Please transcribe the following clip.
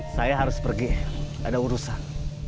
saya harus pergi ada urusan